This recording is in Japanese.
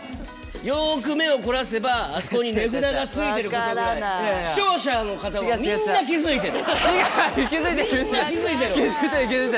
よく目を凝らせばあそこに値札がついていることぐらいみんな気づいてる。